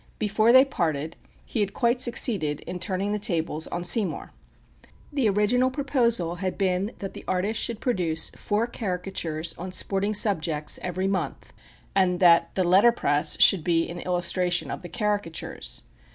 Before they parted, he had quite succeeded in turning the tables on Seymour. The original proposal had been that the artist should produce four caricatures on sporting subjects every month, and that the letter press should be in illustration of the caricatures.